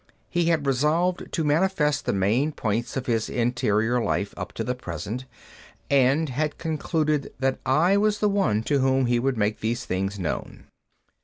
He had resolved to manifest the main points of his interior life up to the present, and had concluded that I was the one to whom he would make these things known.